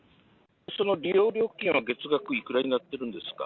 その利用料金は月額いくらになってるんですか？